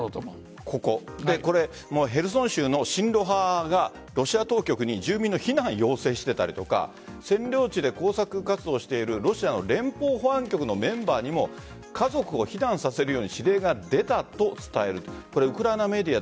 ヘルソン州の親露派がロシア当局に住民の避難を要請していたりとか占領地で工作活動をしているロシアの連邦保安局のメンバーにも家族を避難させるように指令が出たと伝えると。